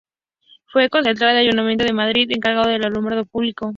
Fue concejal del Ayuntamiento de Madrid, encargado del alumbrado público.